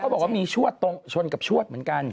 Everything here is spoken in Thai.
บอกว่ามีชวดตรงชนกับชวดเหมือนกัน